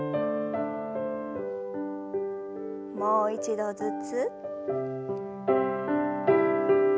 もう一度ずつ。